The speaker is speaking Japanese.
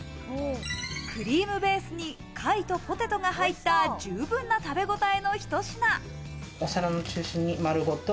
クリームベースに貝とポテトが入った十分な食べごたえのひと品。